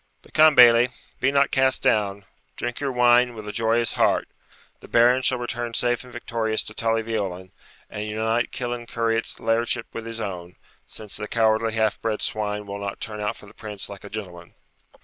] But come, Bailie, be not cast down; drink your wine with a joyous heart; the Baron shall return safe and victorious to Tully Veolan, and unite Killancureit's lairdship with his own, since the cowardly half bred swine will not turn out for the Prince like a gentleman.'